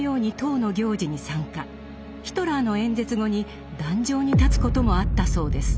ヒトラーの演説後に壇上に立つこともあったそうです。